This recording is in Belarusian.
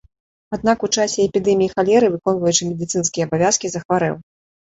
Аднак у часе эпідэміі халеры, выконваючы медыцынскія абавязкі, захварэў.